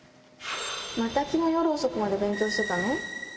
また昨日夜遅くまで勉強してたの？